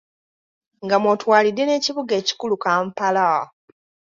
Nga mw’otwalidde n'ekibuga ekikulu Kampala.